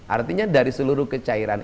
artinya dari seluruh kecairan